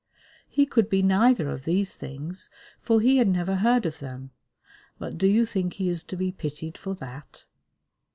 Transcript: He could be neither of these things, for he had never heard of them, but do you think he is to be pitied for that?